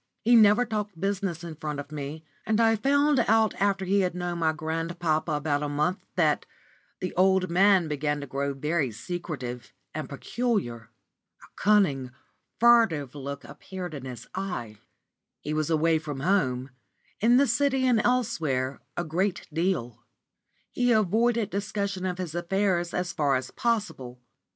He never talked business in front of me, and I found after he had known my grandpapa about a month that the old man began to grow very secretive and peculiar. A cunning furtive look appeared in his eye; he was away from home in the City and elsewhere a great deal; he avoided discussion of his affairs as far as possible.